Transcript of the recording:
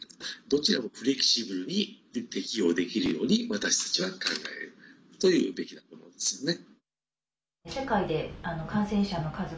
どちらもフレキシブルに適用できるように私たちは考えるというべきだと思うんですよね。